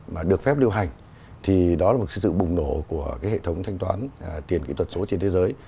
mà được phép lưu hành thì đó là một cái sự bùng nổ của hệ thống thanh toán tiền kỹ thuật số trên thế giới